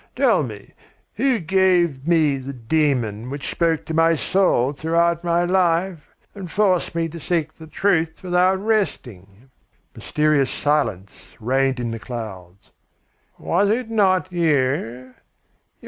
Tell me, who gave me the 'Daemon' which spoke to my soul throughout my life and forced me to seek the truth without resting?" Mysterious silence reigned in the clouds. "Was it not you?